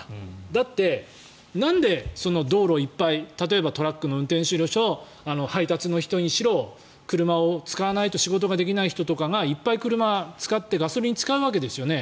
だって、なんで道路をいっぱい例えばトラックの運転手の人にしろ配達の人にしろ車を使わないと仕事ができない人とかがいっぱい車を使ってガソリンを使うわけですよね。